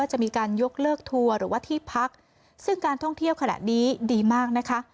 จะมีการยกเลิกทัวร์หรือว่าที่พักซึ่งการท่องเที่ยวขณะนี้ดีมากนะคะ